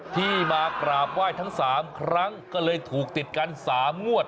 ที่มากราบไหว้ทั้ง๓ครั้งก็เลยถูกติดกัน๓งวด